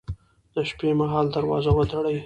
د شپې مهال دروازه وتړئ